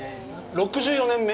６４年目？